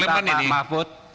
saya minta pak mahfud